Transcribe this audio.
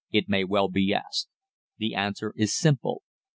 it may well be asked. The answer is simple.